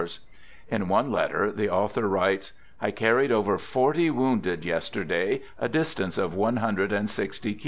THE GOOD SOLDIER" 109 In one letter, the author writes, " I carried over forty wounded yesterday a distance of one hundred and sixty kilos."